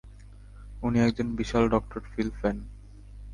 উনি একজন বিশাল ডক্টর ফিল ফ্যান।